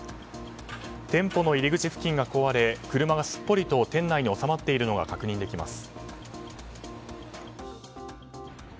店舗の入り口付近が壊れ車がすっぽりと店内に収まっているのが確認できます。